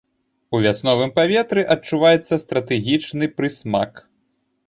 У вясновым паветры адчуваецца стратэгічны прысмак.